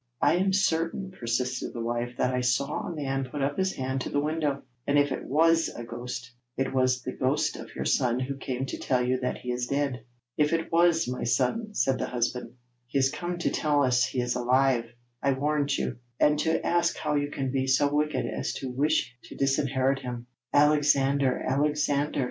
'I am certain,' persisted the wife, 'that I saw a man put up his hand to the window, and if it was a ghost, it was the ghost of your son, who came to tell you that he is dead.' 'If it was my son,' said the husband, 'he is come to tell us he is alive, I warrant you, and to ask how you can be so wicked as to wish to disinherit him. Alexander! Alexander!'